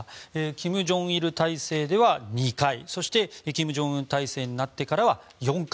金正日体制では２回そして金正恩体制になってからは４回。